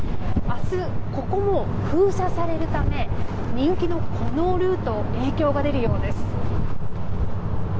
明日、ここも封鎖されるため人気の、このルートに影響が出るようです。